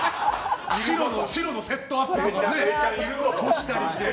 白のセットアップとかね干したりして。